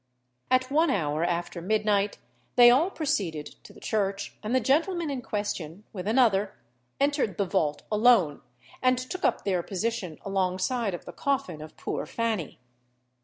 At one hour after midnight they all proceeded to the church, and the gentleman in question, with another, entered the vault alone, and took up their position alongside of the coffin of poor Fanny.